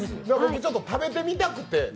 僕、ちょっと食べてみたくて。